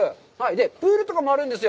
プールとかもあるんですよ。